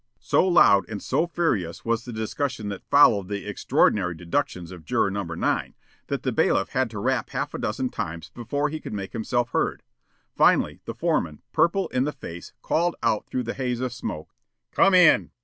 So loud and so furious was the discussion that followed the extraordinary deductions of Juror No. 9, that the bailiff had to rap half a dozen times before he could make himself heard. Finally the foreman, purple in the face, called out through the haze of smoke: "Come in!"